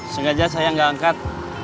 sengaja saya gak angkat